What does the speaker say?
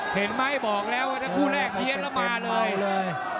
เห็นไหมบอกแล้วคู่แรกเฮียสแล้วมาเลย